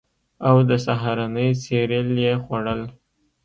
او د سهارنۍ سیریل یې خوړل